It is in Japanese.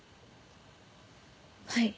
はい。